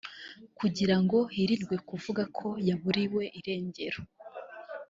kugira ngo hirindwe kuvuga ko yaburiwe irengero